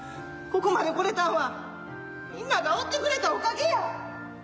ここまでこれたんはみんながおってくれたおかげや。